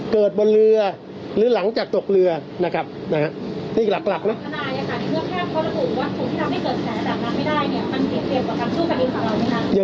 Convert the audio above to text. เกิดบนเรือหรือหลังจากตกเรือนะครับนะฮะนี้หลักหลักเนอะ